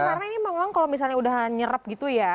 karena ini memang kalau misalnya udah nyerep gitu ya